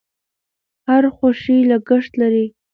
هر خوښي لګښت لري.